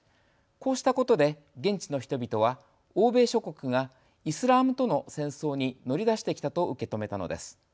こうしたことで現地の人々は欧米諸国がイスラムとの戦争に乗り出してきたと受け止めたのです。